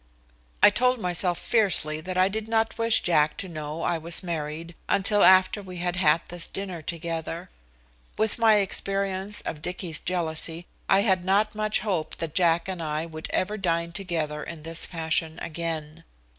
I told myself fiercely that I did not wish Jack to know I was married until after we had had this dinner together. With my experience of Dicky's jealousy I had not much hope that Jack and I would ever dine together in this fashion again.